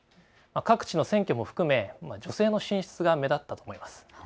各地の選挙も含め女性の進出が目立ったと思います。